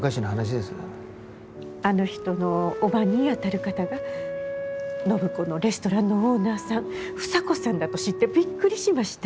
あの人の叔母にあたる方が暢子のレストランのオーナーさん房子さんだと知ってびっくりしました。